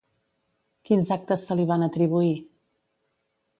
Quins actes se li van atribuir?